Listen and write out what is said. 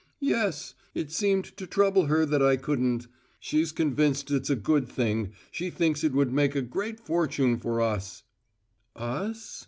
"Yes. It seemed to trouble her that I couldn't. She's convinced it's a good thing: she thinks it would make a great fortune for us " "`Us'?"